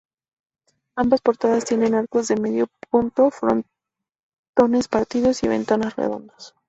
Ambas portadas tienen arcos de medio punto, frontones partidos y ventanas redondas.